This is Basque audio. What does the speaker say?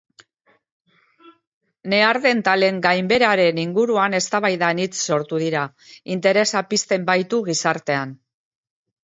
Neandertalen gainbeheraren inguruan eztabaida anitz sortu dira, interesa pizten baitu gizartean.